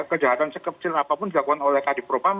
kejahatan sekecil apapun dilakukan oleh kadipropam